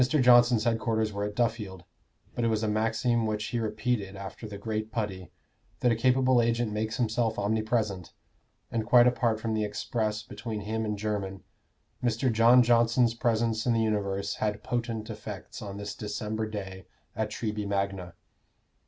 Johnson's headquarters were at Duffield; but it was a maxim which he repeated after the great Putty, that a capable agent makes himself omnipresent; and quite apart from the express between him and Jermyn, Mr. John Johnson's presence in the universe had potent effects on this December day at Treby Magna.